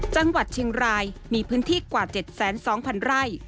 จังหวัดเชียงรายมีพื้นที่กว่าเจ็ดแสนสองพันไร่